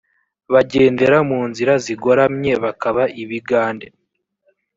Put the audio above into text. bagendera mu nzira zigoramye bakaba ibigande